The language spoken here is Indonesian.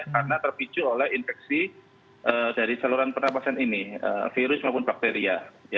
karena terpicu oleh infeksi dari saluran pernapasan ini virus maupun bakteria